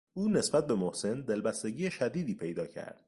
او نسبت به محسن دلبستگی شدیدی پیدا کرد.